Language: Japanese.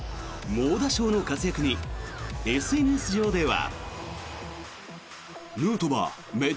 猛打賞の活躍にＳＮＳ上では。